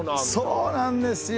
そうなんですよ。